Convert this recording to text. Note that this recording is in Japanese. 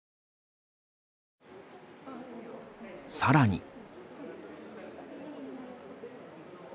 さらに。